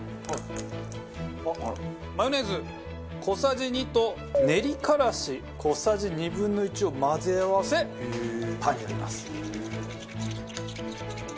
マヨネーズ小さじ２と練りからし小さじ２分の１を混ぜ合わせパンに塗ります。